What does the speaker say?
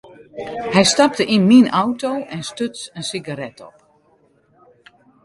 Hy stapte yn myn auto en stuts in sigaret op.